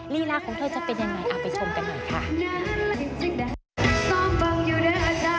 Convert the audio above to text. ลีลาของเธอจะเป็นยังไงเอาไปชมกันหน่อยค่ะ